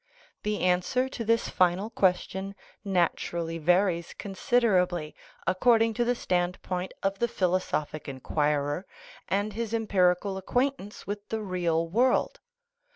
The answer to this final question naturally varies con siderably according to the stand point of the philosophic inquirer and his empirical acquaintance with the real world.